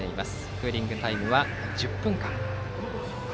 クーリングタイムは１０分間です。